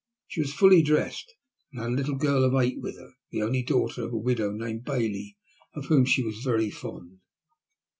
She was fully dressed, and had a little girl of eight with her, the only daughter of a widow named Bailey, of whom she was very fond.